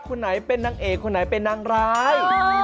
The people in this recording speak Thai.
คนไหนเป็นนางเอกคนไหนเป็นนางร้าย